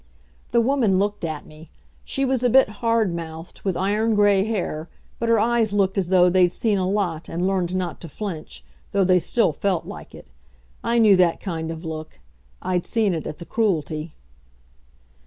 The woman looked at me. She was a bit hard mouthed, with iron gray hair, but her eyes looked as though they'd seen a lot and learned not to flinch, though they still felt like it. I knew that kind of look I'd seen it at the Cruelty.